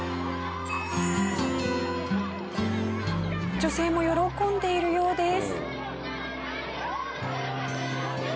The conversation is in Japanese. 女性も喜んでいるようです。